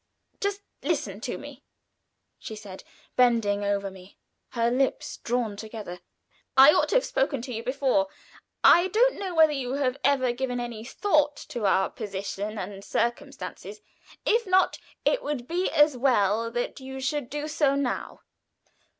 "Just listen to me," she said, bending over me, her lips drawn together. "I ought to have spoken to you before. I don't know whether you have ever given any thought to our position and circumstances. If not, it would be as well that you should do so now.